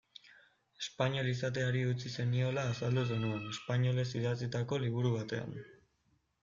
Espainol izateari utzi zeniola azaldu zenuen, espainolez idatzitako liburu batean.